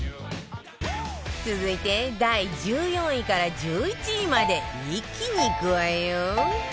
続いて第１４位から１１位まで一気にいくわよ